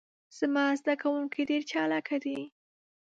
زما ذده کوونکي ډیر چالاکه دي.